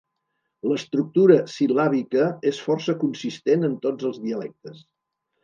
L'estructura sil·làbica és força consistent en tots els dialectes.